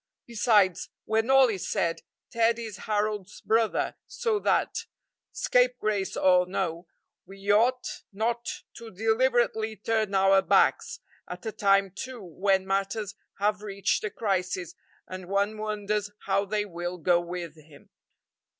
Besides, when all is said, Ted is Harold's brother, so that, scapegrace or no, we ought not to deliberately turn our backs, at a time too when matters have reached a crisis, and one wonders how they will go with him.